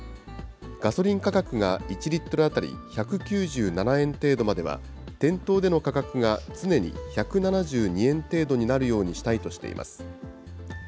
ガソリン価格が１リットル当たり１９７円程度までは、店頭での価格が常に１７２円程度になるようにしたいとしています。